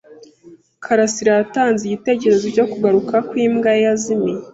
Karasirayatanze igihembo cyo kugaruka kwimbwa ye yazimiye.